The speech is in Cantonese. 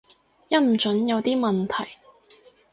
音準有啲問題